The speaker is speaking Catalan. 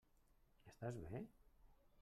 Estàs bé?